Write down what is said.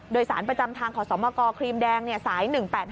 โดยสารประจำทางขอสมกครีมแดงสาย๑๘๕